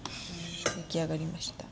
出来上がりました。